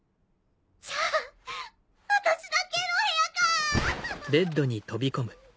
じゃああたしだけの部屋か！